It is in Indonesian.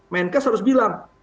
menkes harus bilang